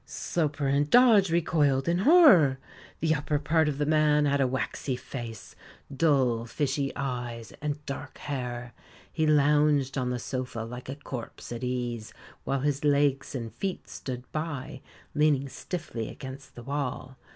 Sloper and Dodge recoiled in horror. The upper part of the man had a waxy face, dull, fishy eyes, and dark hair; he lounged on the sofa like a corpse at ease, while his legs and feet stood by, leaning stiffly against the wall.